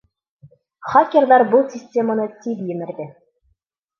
Хакерҙар был системаны тиҙ емерҙе.